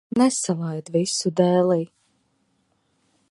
Nesalaid visu dēlī.